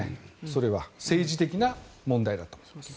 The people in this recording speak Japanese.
それは政治的な問題だと思います。